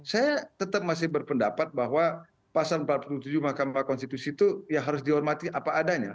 saya tetap masih berpendapat bahwa pasal empat puluh tujuh mahkamah konstitusi itu ya harus dihormati apa adanya